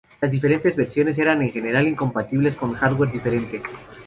Las diferentes versiones eran en general incompatibles con hardware diferente.